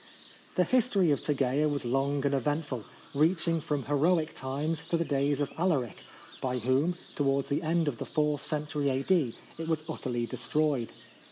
The history of Tegea was long and eventful, reaching from heroic times to the days of Alaric, by whom, towards the end of the fourth century A.D., it was utterly destroyed.